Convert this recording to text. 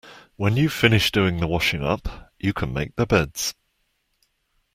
When you’ve finished doing the washing up, you can make the beds